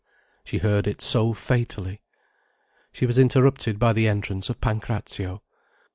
She heard it so fatally. She was interrupted by the entrance of Pancrazio.